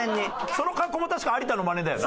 その格好も確か有田のマネだよな？